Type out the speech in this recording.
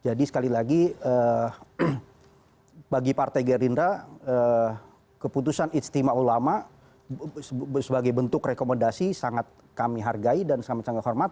jadi sekali lagi bagi partai gerindra keputusan istimewa ulama sebagai bentuk rekomendasi sangat kami hargai dan sangat sangat menghormati